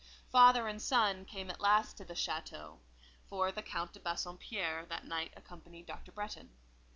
Father and son came at last to the château: for the Count de Bassompierre that night accompanied Dr. Bretton.